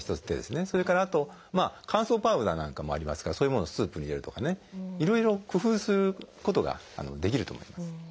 それからあと乾燥パウダーなんかもありますからそういうものをスープに入れるとかねいろいろ工夫することができると思います。